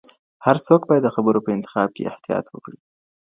هر څوک باید د خبرو په انتخاب کي احتیاط وکړي.